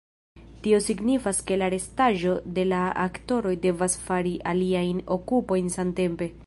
Tio signifas ke la restaĵo de la aktoroj devas fari aliajn okupojn samtempe.